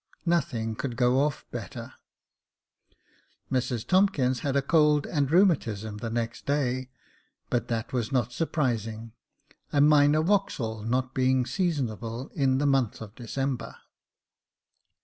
Nothing could go off better. Mrs Tomkins had a cold and rheumatism the next day ; but that was not surprising, a minor Wauxhall not being seasonable in the month of December.